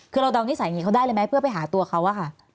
คือเราเดานิสัยอย่างนี้เขาได้เลยไหมเพื่อไปหาตัวเขาอะค่ะ